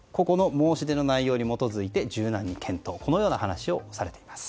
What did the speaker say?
申し出の内容に基づいて柔軟に検討と話されています。